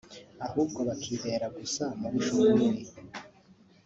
ahubwo bakibera gusa muli Shuguli